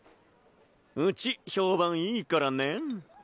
ウチ評判いいからねン。